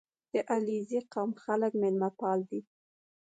• د علیزي قوم خلک میلمهپال دي.